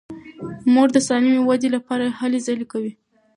مور د سالمې ودې لپاره هلې ځلې کوي.